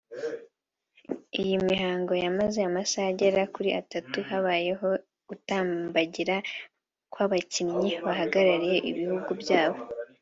Iyi mihango yamaze amasaha agera kuri atatu habayeho gutambagira kw’abakinnyi bahagarariye ibihugu byabo